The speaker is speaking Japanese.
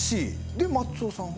で松尾さんは？